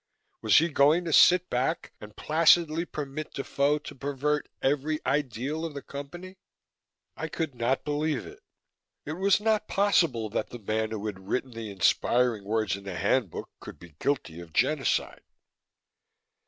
Was he going to sit back and placidly permit Defoe to pervert every ideal of the Company? I could not believe it. It was not possible that the man who had written the inspiring words in the Handbook could be guilty of genocide.